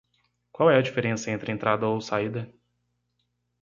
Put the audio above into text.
Qual é a diferença entre entrada ou saída?